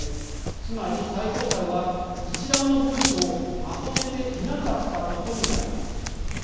つまり最高裁は一覧の文書をまとめていなかったことになります。